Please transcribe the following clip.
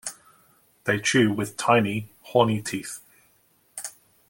They chew with tiny, hornyteeth.